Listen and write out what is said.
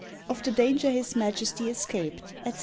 Of the Danger his Majesty escaped, &c.